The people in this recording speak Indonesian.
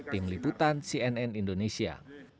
tim liputan cnn indonesia